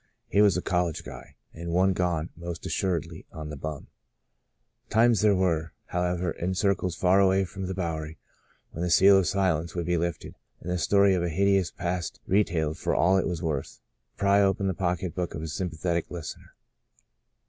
He was a "college guy," and one gone, most assuredly, "on the bum.'* Times there were, however, in circles far away from the Bowery, when the seal of silence would be lifted, and the story of a hideous past re tailed for all it was worth, to pry open the pocketbook of a sympathetic listener.